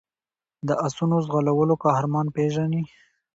د آسونو ځغلولو قهرمان پېژني.